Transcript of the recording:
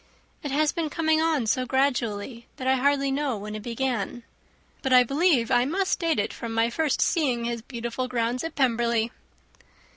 "It has been coming on so gradually, that I hardly know when it began; but I believe I must date it from my first seeing his beautiful grounds at Pemberley."